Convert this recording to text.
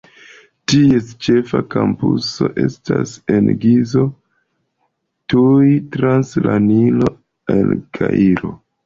Ties ĉefa kampuso estas en Gizo, tuj trans la Nilo el Kairo.